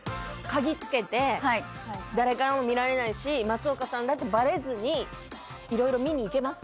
鍵付けて誰からも見られないし松岡さんだってバレずに色々見に行けますから。